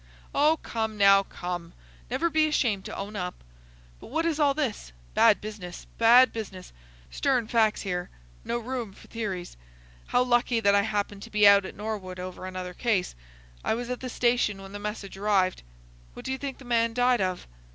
"Oh, come, now, come! Never be ashamed to own up. But what is all this? Bad business! Bad business! Stern facts here,—no room for theories. How lucky that I happened to be out at Norwood over another case! I was at the station when the message arrived. What d'you think the man died of?"